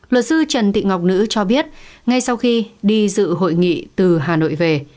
luật sư trần thị ngọc nữ cho biết ngay sau khi đi dự hội nghị từ hà nội về